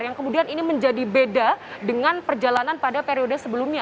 yang kemudian ini menjadi beda dengan perjalanan pada periode sebelumnya